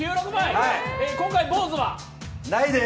今回坊主は？ないです！